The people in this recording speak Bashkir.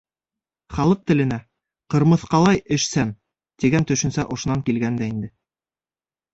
Халыҡ теленә «Ҡырмыҫҡалай эшсән» тигән төшөнсә ошонан килгән дә инде.